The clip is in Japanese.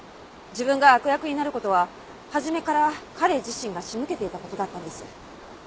自分が悪役になる事は初めから彼自身が仕向けていた事だったんです。